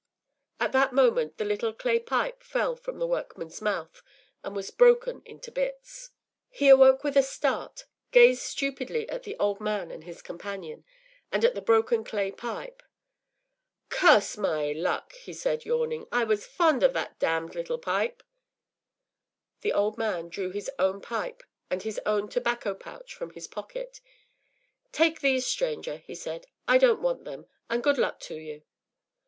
” At that moment the little clay pipe fell from the workman’s mouth and was broken into bits. He awoke with a start, gazed stupidly at the old man and his companion, and at the broken clay pipe. “Curse my luck!” he said, yawning. “I was fond of that damned little pipe.” The old man drew his own pipe and his own tobacco pouch from his pocket. “Take these, stranger,” he said. “I don’t want them. And good luck to you.